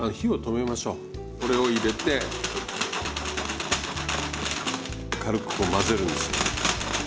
これを入れて軽くこう混ぜるんです。